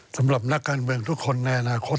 สำหรับนักการเมืองทุกคนในอนาคต